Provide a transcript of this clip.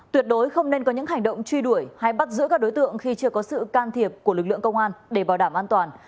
tuyệt đối không nên có những hành động truy đuổi hay bắt giữ các đối tượng khi chưa có sự can thiệp của lực lượng công an để bảo đảm an toàn